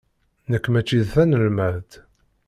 Nekk mačči d tanelmadt.